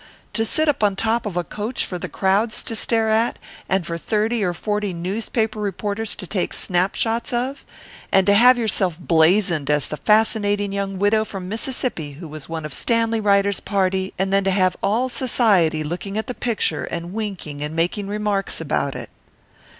To sit up on top of a coach for the crowds to stare at, and for thirty or forty newspaper reporters to take snap shots of! And to have yourself blazoned as the fascinating young widow from Mississippi who was one of Stanley Ryder's party, and then to have all Society looking at the picture and winking and making remarks about it!"